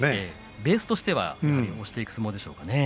ベースとしては押していく相撲でしょうね。